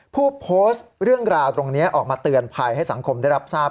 ผู้โพสต์เรื่องราวตรงนี้ออกมาเตือนภัยให้สังคมได้รับทราบ